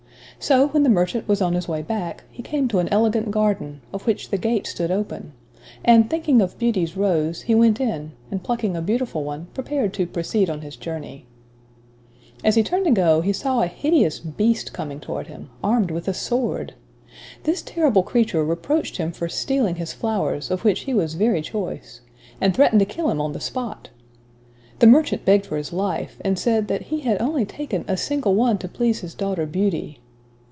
So when the merchant was on his way back, he came to an elegant garden, of which the gate stood open; and thinking of Beauty's rose, he went in, and plucking a beautiful one, prepared to proceed on his journey. [Illustration: The Merchant and the Beast.] As he turned to go, he saw a hideous Beast coming towards him, armed with a sword! This terrible creature reproached him for stealing his flowers, of which he was very choice; and threatened to kill him on the spot! The merchant begged for his life, and said, that he had only taken "a single one to please his daughter Beauty."